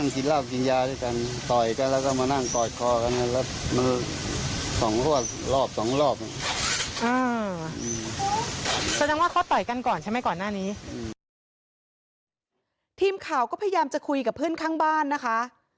ทีมข่าวก็พยายามจะคุยกับเพื่อนข้างบ้านนะคะ